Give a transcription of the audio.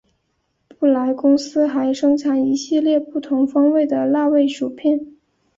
布莱公司还生产一系列不同风味的辣味薯片。